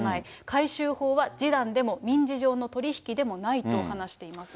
回収法は示談でも、民事上の取り引きでもないと話しています。